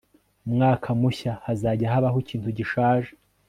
umwaka mushya hazajya habaho ikintu gishaje